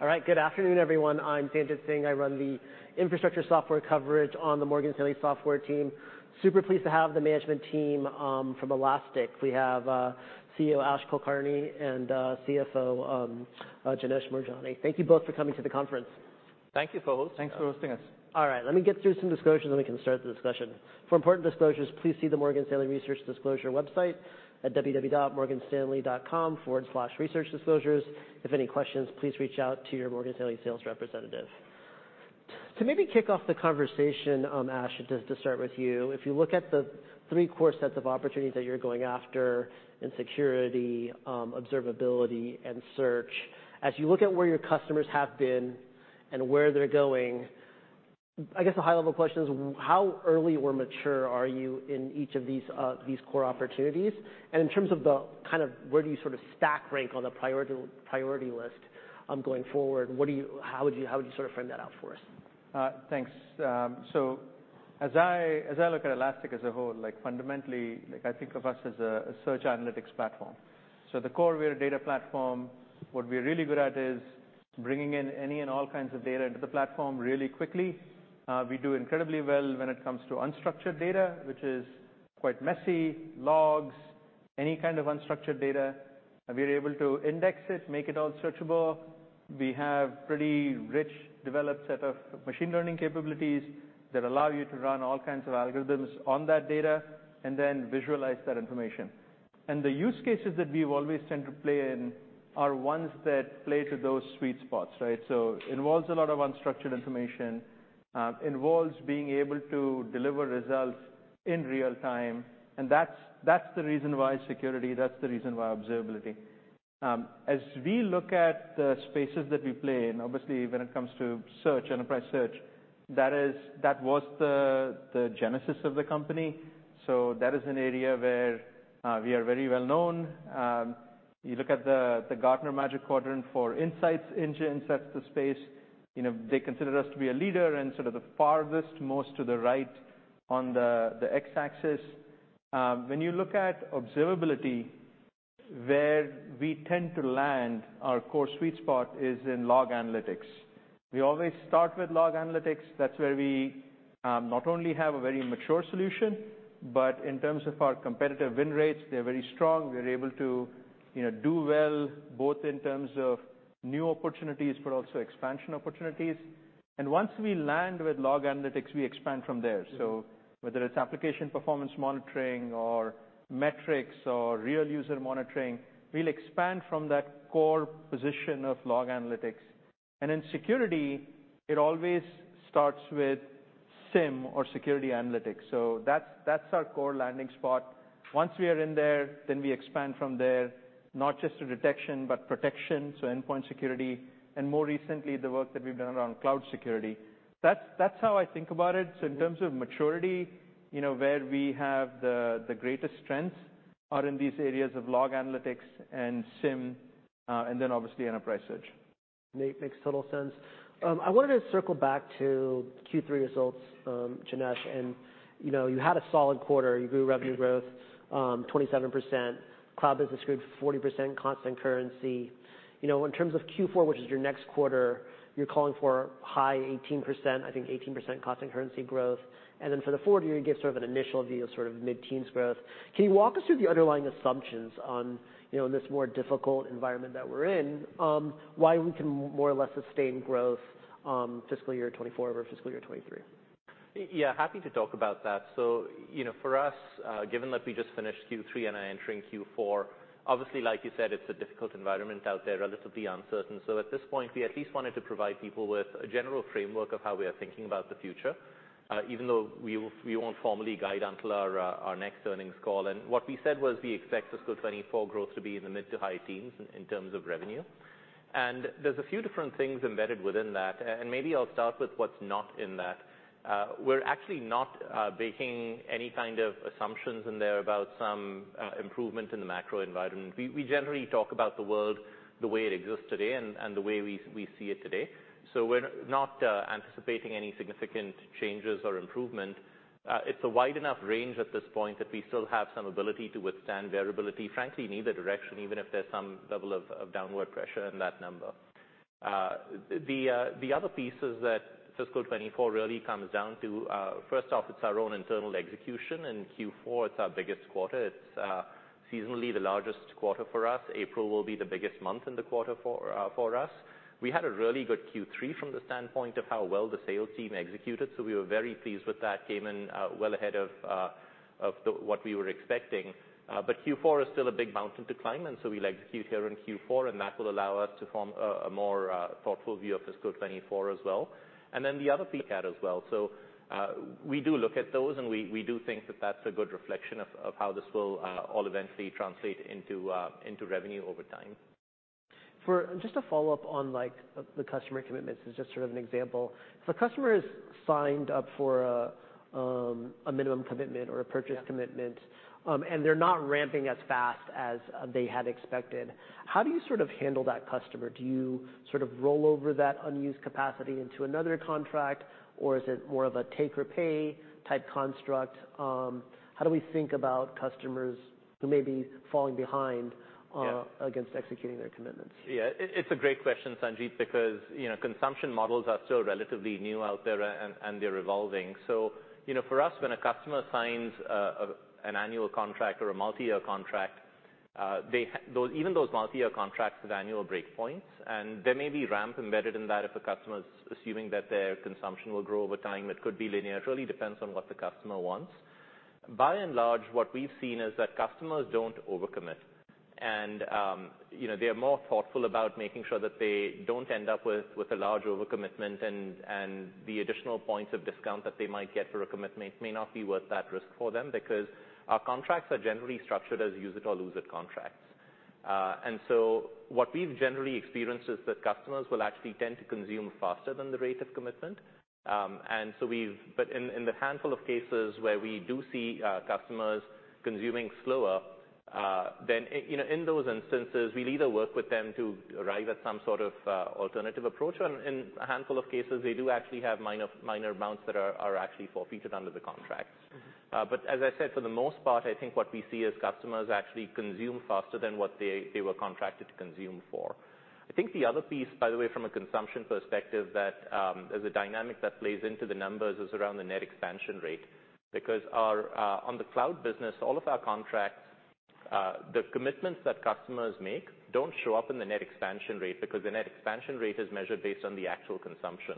All right. Good afternoon, everyone. I'm Sanjit Singh. I run the infrastructure software coverage on the Morgan Stanley software team. Super pleased to have the management team from Elastic. We have CEO Ash Kulkarni and CFO Janesh Moorjani. Thank you both for coming to the conference. Thank you for hosting. Thanks for hosting us. All right. Let me get through some disclosures, then we can start the discussion. For important disclosures, please see the Morgan Stanley research disclosure website at www.morganstanley.com/researchdisclosures. If any questions, please reach out to your Morgan Stanley sales representative. To maybe kick off the conversation, Ash, just to start with you. If you look at the three core sets of opportunities that you're going after in Security, Observability, and Search. As you look at where your customers have been and where they're going, I guess the high-level question is: How early or mature are you in each of these core opportunities? In terms of the kind of where do you sort of stack rank on the priority list, going forward, how would you sort of frame that out for us? Thanks. As I look at Elastic as a whole, fundamentally, I think of us as a search analytics platform. At the core, we're a data platform. What we're really good at is bringing in any and all kinds of data into the platform really quickly. We do incredibly well when it comes to unstructured data, which is quite messy. Logs, any kind of unstructured data, we're able to index it, make it all searchable. We have pretty rich, developed set of machine learning capabilities that allow you to run all kinds of algorithms on that data and then visualize that information. The use cases that we always tend to play in are ones that play to those sweet spots, right? Involves a lot of unstructured information, involves being able to deliver results in real time, and that's the reason why Security, that's the reason why Observability. As we look at the spaces that we play in, obviously when it comes to Search, enterprise search, that was the genesis of the company, so that is an area where we are very well known. You look at the Gartner Magic Quadrant for Insight Engines, that's the space. You know, they consider us to be a leader and sort of the farthest most to the right on the x-axis. When you look at Observability, where we tend to land, our core sweet spot is in log analytics. We always start with log analytics. That's where we not only have a very mature solution, but in terms of our competitive win rates, they're very strong. We're able to, you know, do well both in terms of new opportunities but also expansion opportunities. Once we land with log analytics, we expand from there. Whether it's application performance monitoring or metrics or real user monitoring, we'll expand from that core position of log analytics. In security, it always starts with SIEM or Security Analytics, so that's our core landing spot. Once we are in there, then we expand from there, not just to detection, but protection, so endpoint security and more recently, the work that we've done around cloud security. That's, that's how I think about it. In terms of maturity, you know, where we have the greatest strengths are in these areas of log analytics and SIEM, and then obviously enterprise search. Makes total sense. I wanted to circle back to Q3 results, Janesh. You know, you had a solid quarter, you grew revenue growth, 27%, Cloud business grew 40% constant currency. You know, in terms of Q4, which is your next quarter, you're calling for high 18%, I think 18% constant currency growth. For the forward year, you give sort of an initial view of sort of mid-teens growth. Can you walk us through the underlying assumptions on, you know, in this more difficult environment that we're in, why we can more or less sustain growth, fiscal year 2024 over fiscal year 2023? Yeah, happy to talk about that. You know, for us, given that we just finished Q3 and are entering Q4, obviously like you said, it's a difficult environment out there, relatively uncertain. At this point, we at least wanted to provide people with a general framework of how we are thinking about the future, even though we won't formally guide until our next earnings call. What we said was we expect fiscal 2024 growth to be in the mid to high teens in terms of revenue. There's a few different things embedded within that, and maybe I'll start with what's not in that. We're actually not baking any kind of assumptions in there about some improvement in the macro environment. We generally talk about the world the way it exists today and the way we see it today. We're not anticipating any significant changes or improvement. It's a wide enough range at this point that we still have some ability to withstand variability, frankly in either direction, even if there's some level of downward pressure in that number. The other piece is that fiscal 2024 really comes down to first off, it's our own internal execution. Q4, it's our biggest quarter. It's seasonally the largest quarter for us. April will be the biggest month in the quarter for us. We had a really good Q3 from the standpoint of how well the sales team executed. We were very pleased with that. Came in well ahead of what we were expecting. Q4 is still a big mountain to climb, and so we like to queue here in Q4, and that will allow us to form a more thoughtful view of fiscal 2024 as well. The other piece we had as well. We do look at those, and we do think that that's a good reflection of how this will all eventually translate into revenue over time. For just a follow-up on like the customer commitments as just sort of an example. If a customer has signed up for a minimum commitment or a purchase commitment. Yeah. They're not ramping as fast as they had expected. How do you sort of handle that customer? Do you sort of roll over that unused capacity into another contract? Or is it more of a take or pay type construct? How do we think about customers who may be falling behind- Yeah ...against executing their commitments? Yeah. It's a great question, Sanjit, because, you know, consumption models are still relatively new out there, and they're evolving. You know, for us, when a customer signs an annual contract or a multi-year contract, even those multi-year contracts with annual break points, and there may be ramp embedded in that if a customer's assuming that their consumption will grow over time, it could be linear. It really depends on what the customer wants. By and large, what we've seen is that customers don't over-commit. You know, they are more thoughtful about making sure that they don't end up with a large overcommitment and the additional points of discount that they might get for a commitment may not be worth that risk for them because our contracts are generally structured as use it or lose it contracts. So what we've generally experienced is that customers will actually tend to consume faster than the rate of commitment. But in the handful of cases where we do see customers consuming slower, then, you know, in those instances, we'll either work with them to arrive at some sort of alternative approach, or in a handful of cases, they do actually have minor amounts that are actually forfeited under the contracts. Mm-hmm. As I said, for the most part, I think what we see is customers actually consume faster than what they were contracted to consume for. I think the other piece, by the way, from a consumption perspective that as a dynamic that plays into the numbers is around the net expansion rate. Our on the cloud business, all of our contracts, the commitments that customers make don't show up in the net expansion rate because the net expansion rate is measured based on the actual consumption.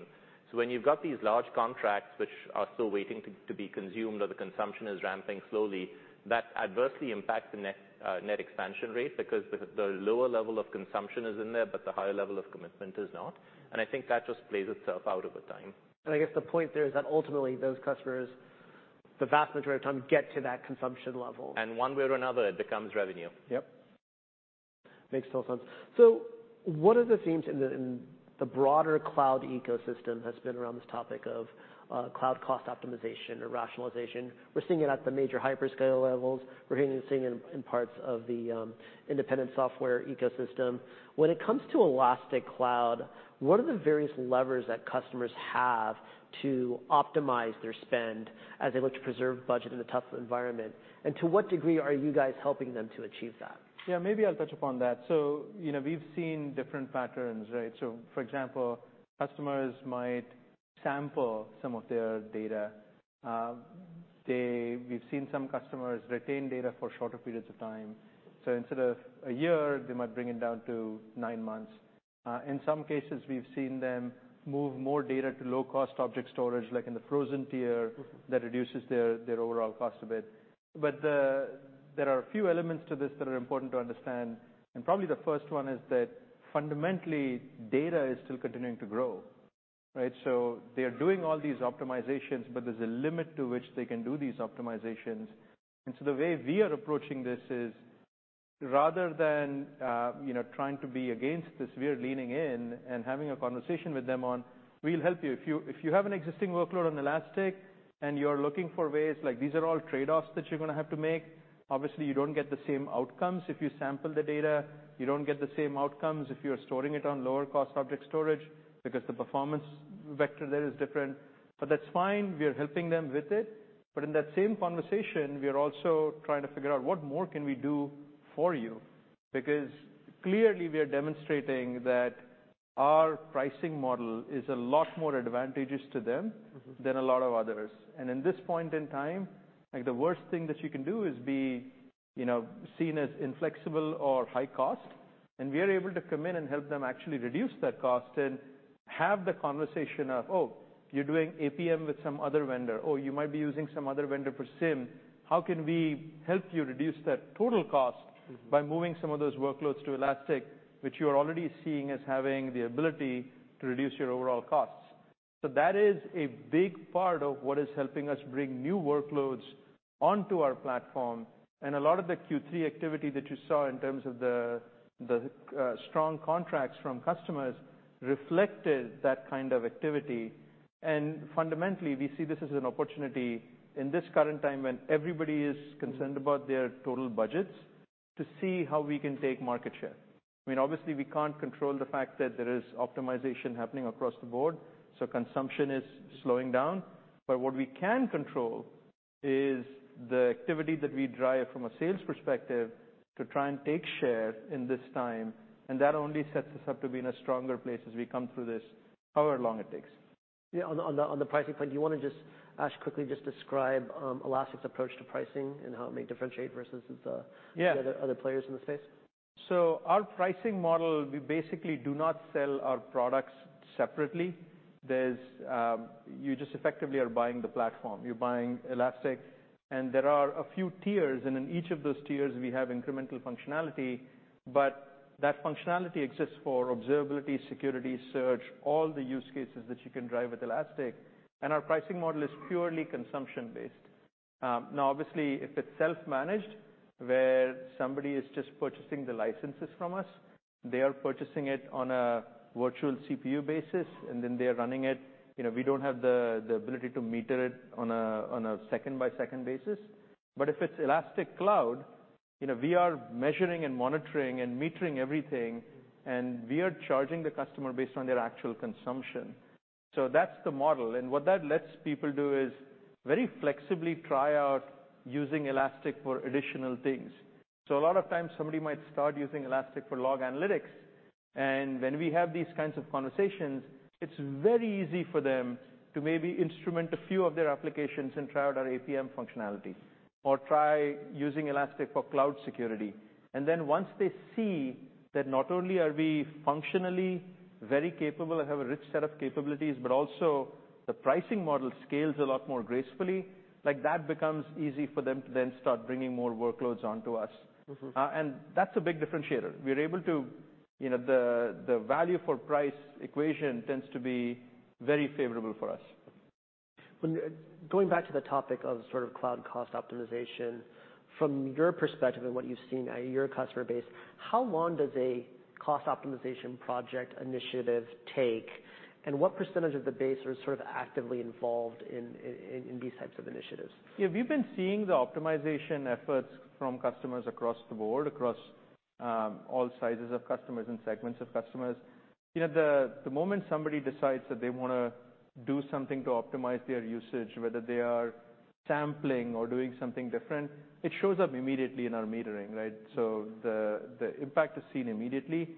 When you've got these large contracts which are still waiting to be consumed or the consumption is ramping slowly, that adversely impacts the net expansion rate because the lower level of consumption is in there, but the higher level of commitment is not. I think that just plays itself out over time. I guess the point there is that ultimately those customers, the vast majority of time, get to that consumption level. One way or another, it becomes revenue. Yep. Makes total sense. What are the themes in the, in the broader cloud ecosystem that's been around this topic of cloud cost optimization or rationalization? We're seeing it at the major hyperscale levels. We're hearing and seeing in parts of the independent software ecosystem. When it comes to Elastic Cloud, what are the various levers that customers have to optimize their spend as they look to preserve budget in a tough environment? To what degree are you guys helping them to achieve that? Yeah, maybe I'll touch upon that. You know, we've seen different patterns, right? For example, customers might sample some of their data. We've seen some customers retain data for shorter periods of time. Instead of a year, they might bring it down to nine months. In some cases, we've seen them move more data to low-cost object storage, like in the Frozen Tier- Mm-hmm ...that reduces their overall cost a bit. There are a few elements to this that are important to understand, and probably the first one is that fundamentally, data is still continuing to grow, right? They are doing all these optimizations, but there's a limit to which they can do these optimizations. The way we are approaching this is rather than, you know, trying to be against this, we are leaning in and having a conversation with them on, we'll help you. If you have an existing workload on Elastic and you're looking for ways, like these are all trade-offs that you're gonna have to make. Obviously, you don't get the same outcomes if you sample the data. You don't get the same outcomes if you're storing it on lower cost object storage because the performance vector there is different. That's fine, we are helping them with it. In that same conversation, we are also trying to figure out what more can we do for you? Clearly we are demonstrating that our pricing model is a lot more advantageous to them. Mm-hmm ...than a lot of others. In this point in time, like the worst thing that you can do is be, you know, seen as inflexible or high cost. We are able to come in and help them actually reduce that cost and have the conversation of, "Oh, you're doing APM with some other vendor," or, "You might be using some other vendor for SIEM. How can we help you reduce that total cost- Mm-hmm ...by moving some of those workloads to Elastic, which you are already seeing as having the ability to reduce your overall costs?" That is a big part of what is helping us bring new workloads onto our platform. A lot of the Q3 activity that you saw in terms of the strong contracts from customers reflected that kind of activity. Fundamentally, we see this as an opportunity in this current time when everybody is concerned about their total budgets, to see how we can take market share. I mean, obviously we can't control the fact that there is optimization happening across the board, so consumption is slowing down. What we can control is the activity that we drive from a sales perspective to try and take share in this time, and that only sets us up to be in a stronger place as we come through this, however long it takes. Yeah. On the pricing front, do you wanna just, Ash, quickly just describe Elastic's approach to pricing and how it may differentiate versus- Yeah ...the other players in the space? Our pricing model, we basically do not sell our products separately. There's, you just effectively are buying the platform. You're buying Elastic, and there are a few tiers, and in each of those tiers we have incremental functionality, but that functionality exists for Observability, Security, Search, all the use cases that you can drive with Elastic. Our pricing model is purely consumption-based. Now obviously if it's self-managed, where somebody is just purchasing the licenses from us. They are purchasing it on a virtual CPU basis, and then they are running it. You know, we don't have the ability to meter it on a second-by-second basis. If it's Elastic Cloud, you know, we are measuring and monitoring and metering everything, and we are charging the customer based on their actual consumption. That's the model. What that lets people do is very flexibly try out using Elastic for additional things. A lot of times, somebody might start using Elastic for log analytics, and when we have these kinds of conversations, it's very easy for them to maybe instrument a few of their applications and try out our APM functionality or try using Elastic for cloud security. Once they see that not only are we functionally very capable and have a rich set of capabilities, but also the pricing model scales a lot more gracefully, like that becomes easy for them to then start bringing more workloads onto us. Mm-hmm. That's a big differentiator. You know, the value for price equation tends to be very favorable for us. Going back to the topic of sort of cloud cost optimization, from your perspective and what you've seen at your customer base, how long does a cost optimization project initiative take, and what % of the base are sort of actively involved in these types of initiatives? We've been seeing the optimization efforts from customers across the board, across all sizes of customers and segments of customers. You know, the moment somebody decides that they wanna do something to optimize their usage, whether they are sampling or doing something different, it shows up immediately in our metering, right? The impact is seen immediately.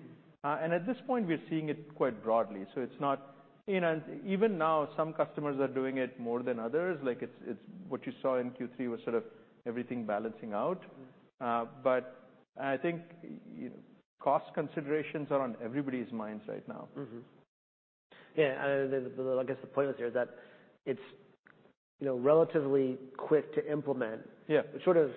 And at this point, we're seeing it quite broadly, so it's not. You know, even now some customers are doing it more than others. Like it's what you saw in Q3 was sort of everything balancing out. I think cost considerations are on everybody's minds right now. Yeah. I guess the point is here that it's, you know, relatively quick to implement. Yeah. It sort of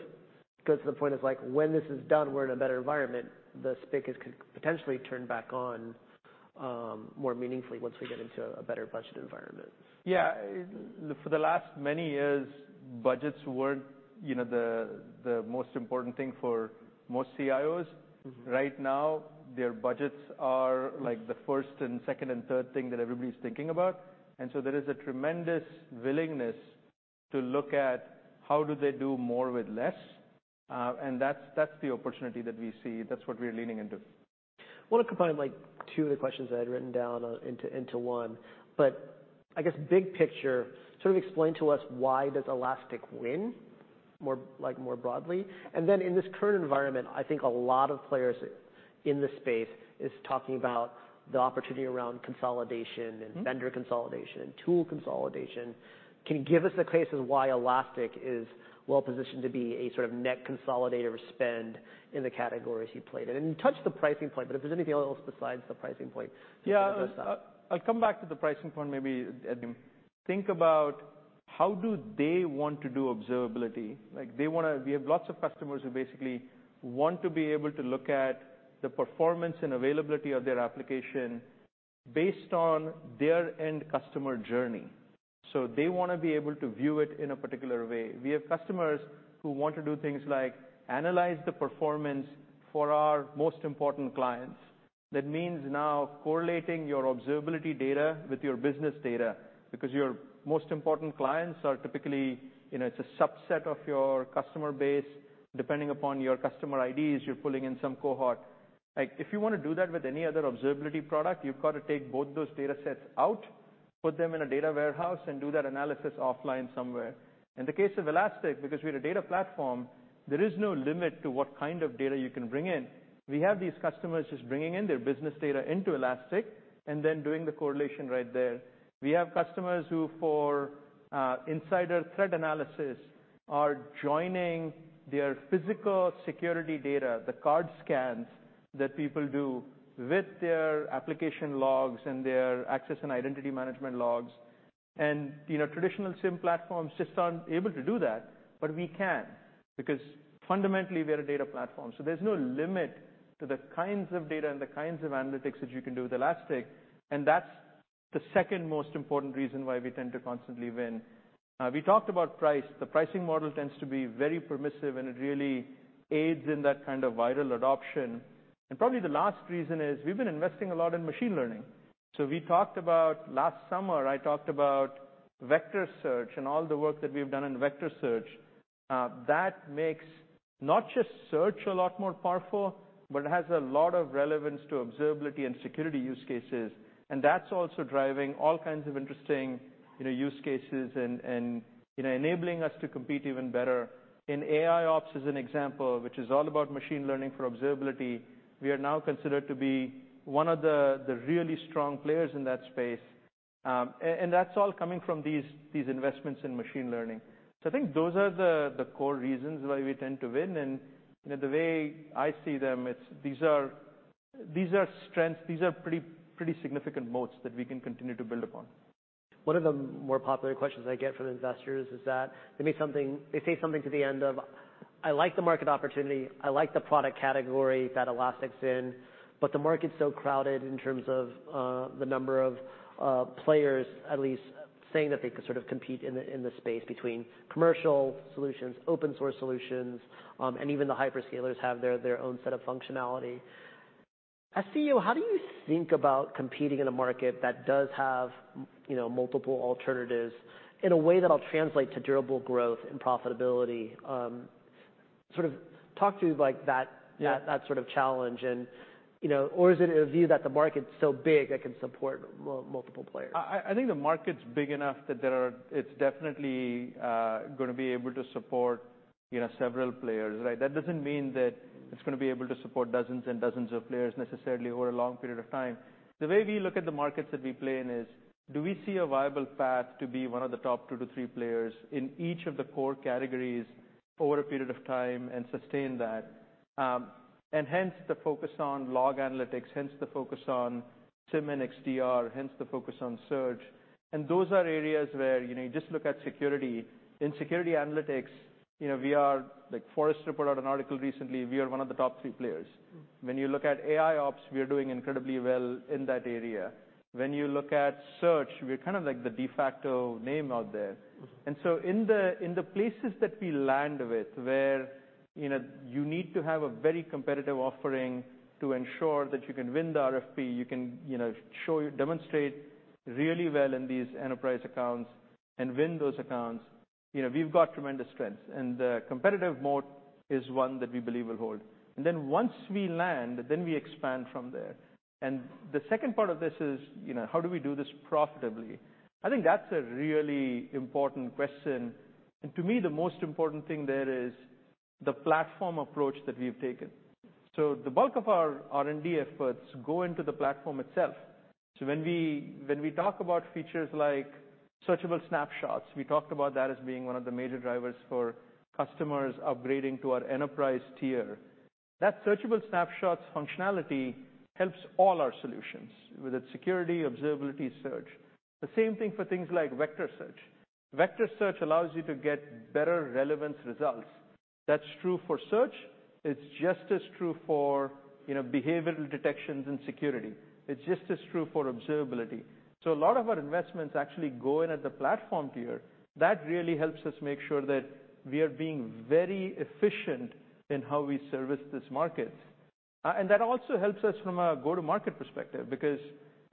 goes to the point is like when this is done, we're in a better environment. The spigots could potentially turn back on, more meaningfully once we get into a better budget environment. For the last many years, budgets weren't, you know, the most important thing for most CIOs. Mm-hmm. Right now, their budgets are like the first and second and third thing that everybody's thinking about. There is a tremendous willingness to look at how do they do more with less, and that's the opportunity that we see. That's what we're leaning into. I wanna combine like two of the questions that I'd written down into one. I guess big picture, sort of explain to us why does Elastic win more like more broadly. In this current environment, I think a lot of players in this space is talking about the opportunity around consolidation and vendor consolidation and tool consolidation. Can you give us the cases why Elastic is well positioned to be a sort of net consolidator spend in the categories you played in? You touched the pricing point, but if there's anything else besides the pricing point to round this out. Yeah. I'll come back to the pricing point maybe at the end. Think about how do they want to do Observability. We have lots of customers who basically want to be able to look at the performance and availability of their application based on their end customer journey. They wanna be able to view it in a particular way. We have customers who want to do things like analyze the performance for our most important clients. That means now correlating your observability data with your business data because your most important clients are typically, you know, it's a subset of your customer base. Depending upon your customer IDs, you're pulling in some cohort. Like, if you wanna do that with any other observability product, you've got to take both those datasets out, put them in a data warehouse, and do that analysis offline somewhere. In the case of Elastic, because we're a data platform, there is no limit to what kind of data you can bring in. We have these customers just bringing in their business data into Elastic and then doing the correlation right there. We have customers who, for insider threat analysis, are joining their physical security data, the card scans that people do with their application logs and their access and identity management logs. You know, traditional SIEM platforms just aren't able to do that, but we can because fundamentally we're a data platform. There's no limit to the kinds of data and the kinds of analytics that you can do with Elastic, and that's the second most important reason why we tend to constantly win. We talked about price. The pricing model tends to be very permissive, and it really aids in that kind of viral adoption. Probably the last reason is we've been investing a lot in machine learning. Last summer, I talked about vector search and all the work that we've done in vector search. That makes not just search a lot more powerful, but it has a lot of relevance to observability and security use cases. That's also driving all kinds of interesting, you know, use cases and, you know, enabling us to compete even better. In AIOps, as an example, which is all about machine learning for observability, we are now considered to be one of the really strong players in that space. That's all coming from these investments in machine learning. I think those are the core reasons why we tend to win. You know, the way I see them, it's these are strengths. These are pretty significant moats that we can continue to build upon. One of the more popular questions I get from investors is that they say something to the end of, "I like the market opportunity. I like the product category that Elastic's in, but the market's so crowded in terms of the number of players at least saying that they can sort of compete in the, in the space between commercial solutions, open source solutions, and even the hyperscalers have their own set of functionality." As CEO, how do you think about competing in a market that does have you know, multiple alternatives in a way that'll translate to durable growth and profitability? sort of talk to like that- Yeah. ...that sort of challenge and, you know. Is it a view that the market's so big it can support multiple players? I think the market's big enough that it's definitely gonna be able to support, you know, several players, right? That doesn't mean that it's gonna be able to support dozens and dozens of players necessarily over a long period of time. The way we look at the markets that we play in is do we see a viable path to be one of the top two to three players in each of the core categories over a period of time and sustain that? Hence the focus on log analytics, hence the focus on SIEM and XDR, hence the focus on search. Those are areas where, you know, you just look at security. In Security Analytics, you know, like The Forrester Wave put out an article recently, we are one of the top three players. Mm. When you look at AIOps, we are doing incredibly well in that area. When you look at search, we're kind of like the de facto name out there. Mm. In the, in the places that we land with, where, you know, you need to have a very competitive offering to ensure that you can win the RFP, you can, you know, show, demonstrate really well in these enterprise accounts and win those accounts, you know, we've got tremendous strengths. The competitive mode is one that we believe will hold. Once we land, then we expand from there. The second part of this is, you know, how do we do this profitably? I think that's a really important question. To me, the most important thing there is the platform approach that we've taken. The bulk of our R&D efforts go into the platform itself. When we talk about features like Searchable Snapshots, we talked about that as being one of the major drivers for customers upgrading to our enterprise tier. That Searchable Snapshots functionality helps all our solutions, whether it's Security, Observability, Search. The same thing for things like vector search. Vector search allows you to get better relevance results. That's true for search. It's just as true for, you know, behavioral detections and security. It's just as true for observability. A lot of our investments actually go in at the platform tier. That really helps us make sure that we are being very efficient in how we service this market. That also helps us from a go-to-market perspective because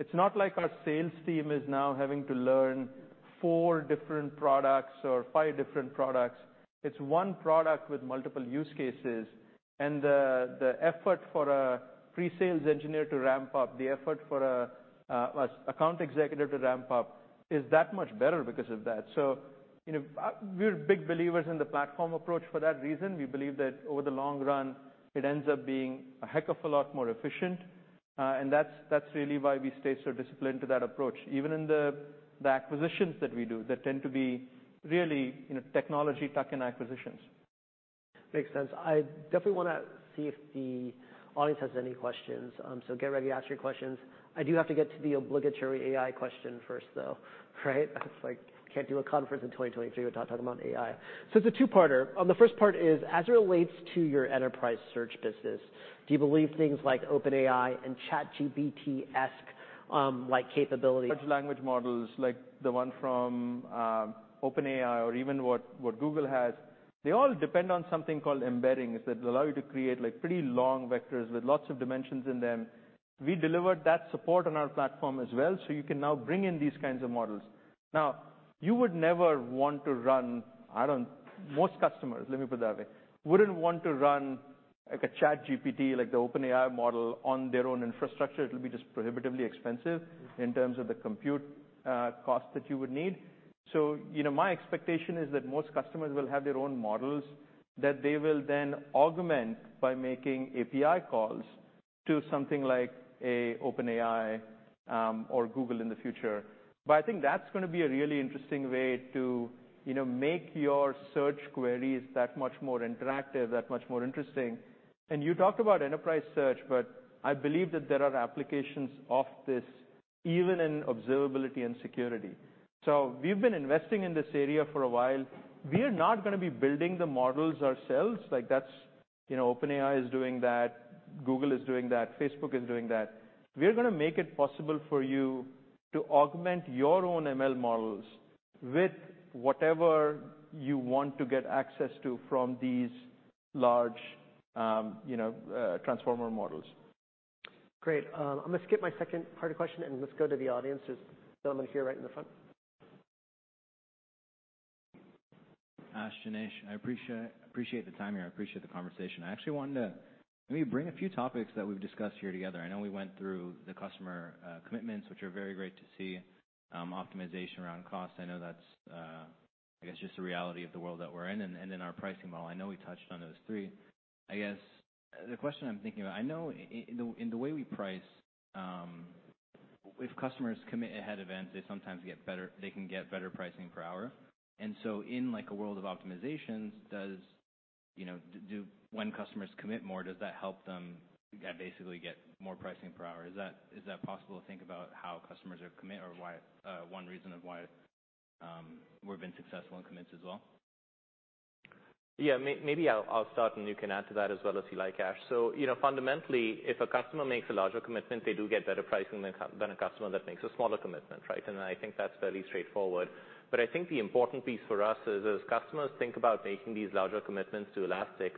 it's not like our sales team is now having to learn four different products or five different products. It's one product with multiple use cases. The effort for a pre-sales engineer to ramp up, the effort for a account executive to ramp up is that much better because of that. You know, we're big believers in the platform approach for that reason. We believe that over the long run, it ends up being a heck of a lot more efficient. That's really why we stay so disciplined to that approach, even in the acquisitions that we do, that tend to be really, you know, technology tuck-in acquisitions. Makes sense. I definitely wanna see if the audience has any questions. Get ready to ask your questions. I do have to get to the obligatory AI question first, though, right? It's like can't do a conference in 2023 without talking about AI. It's a two-parter. The first part is, as it relates to your enterprise search business, do you believe things like OpenAI and ChatGPT-esque, like capability- Large language models like the one from OpenAI or even what Google has, they all depend on something called embeddings that allow you to create like pretty long vectors with lots of dimensions in them. We delivered that support on our platform as well, so you can now bring in these kinds of models. Most customers, let me put it that way, wouldn't want to run like a ChatGPT, like the OpenAI model on their own infrastructure. It'll be just prohibitively expensive in terms of the compute cost that you would need. You know, my expectation is that most customers will have their own models that they will then augment by making API calls to something like a OpenAI or Google in the future. I think that's gonna be a really interesting way to, you know, make your search queries that much more interactive, that much more interesting. You talked about enterprise search, but I believe that there are applications of this even in observability and security. We've been investing in this area for a while. We are not gonna be building the models ourselves. Like that's, you know, OpenAI is doing that. Google is doing that. Facebook is doing that. We are gonna make it possible for you to augment your own ML models with whatever you want to get access to from these large, you know, transformer models. Great. I'm gonna skip my second part of the question, and let's go to the audience. There's a gentleman here right in the front. Ash, Janesh, I appreciate the time here. I appreciate the conversation. I actually wanted to maybe bring a few topics that we've discussed here together. I know we went through the customer commitments, which are very great to see, optimization around costs. I know that's, I guess just the reality of the world that we're in, and then our pricing model. I know we touched on those three. I guess, the question I'm thinking about, I know in the, in the way we price, if customers commit ahead event, they can get better pricing per hour. In like a world of optimizations, does, you know, when customers commit more, does that help them basically get more pricing per hour? Is that possible to think about how customers are commit or why, one reason of why we've been successful in commits as well? Yeah. Maybe I'll start. You can add to that as well as you like, Ash. You know, fundamentally, if a customer makes a larger commitment, they do get better pricing than a customer that makes a smaller commitment, right? I think that's fairly straightforward. I think the important piece for us is, as customers think about making these larger commitments to Elastic.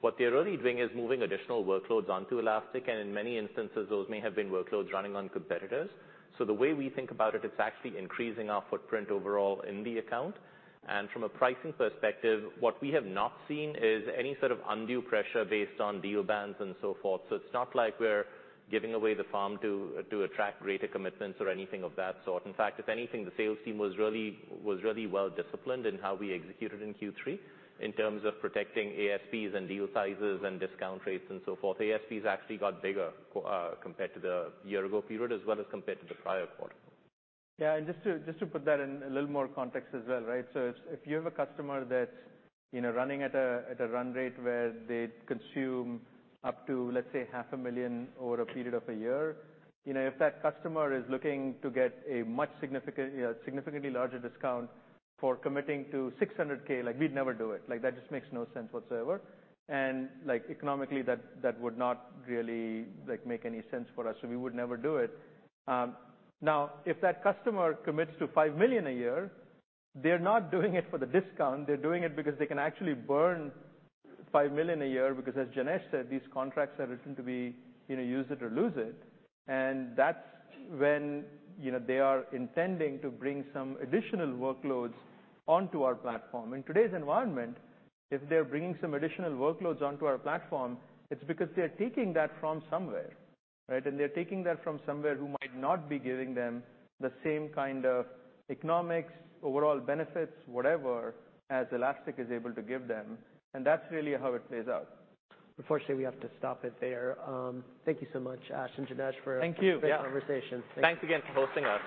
What they're really doing is moving additional workloads onto Elastic, and in many instances, those may have been workloads running on competitors. The way we think about it's actually increasing our footprint overall in the account. From a pricing perspective, what we have not seen is any sort of undue pressure based on deal bands and so forth. It's not like we're giving away the farm to attract greater commitments or anything of that sort. In fact, if anything, the sales team was really well-disciplined in how we executed in Q3 in terms of protecting ASPs and deal sizes and discount rates and so forth. ASPs actually got bigger compared to the year-ago period, as well as compared to the prior quarter. Yeah. Just to put that in a little more context as well, right? If you have a customer that's, you know, running at a run rate where they consume up to, let's say, half a million over a period of a year, you know, if that customer is looking to get a significantly larger discount for committing to $600,000, like, we'd never do it. Like, that just makes no sense whatsoever. Like, economically, that would not really, like, make any sense for us, so we would never do it. Now, if that customer commits to $5 million a year, they're not doing it for the discount, they're doing it because they can actually burn $5 million a year, because as Janesh said, these contracts are written to be, you know, use it or lose it. That's when, you know, they are intending to bring some additional workloads onto our platform. In today's environment, if they're bringing some additional workloads onto our platform, it's because they're taking that from somewhere, right? They're taking that from somewhere who might not be giving them the same kind of economics, overall benefits, whatever, as Elastic is able to give them, and that's really how it plays out. Unfortunately, we have to stop it there. Thank you so much, Ash and Janesh. Thank you. Yeah. A great conversation. Thanks. Thanks again for hosting us.